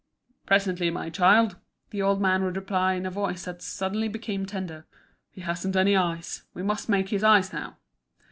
"Presently, my child," the old man would reply in a voice that suddenly became tender. "He hasn't any eyes; we must make his eyes now."